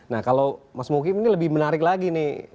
nah kalau mas mogim ini lebih menarik lagi nih